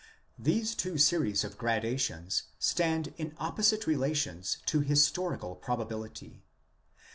These two series of gra dations stand in opposite relations to historical probability.